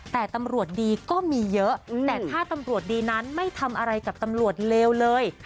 แต่ตำรวจดีก็มีเยอะแต่ถ้าตำรวจดีนั้นไม่ทำอะไรกับตำรวจเลวเลย